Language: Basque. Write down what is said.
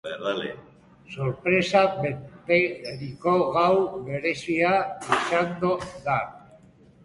Sorpresaz beteriko gau berezia izango da.